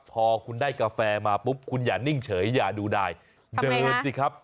พอคุณได้กาแฟมาปุ๊บคุณอย่านิ่งเฉยอย่าดูดายเดินสิครับ